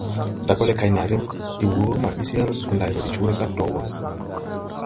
Dakole kay naaré de wur ma bi sir Gunday wo de cõõre sac doo bogge.